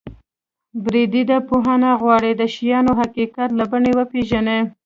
پدیده پوهنه غواړي د شیانو حقیقت له بڼې وپېژني.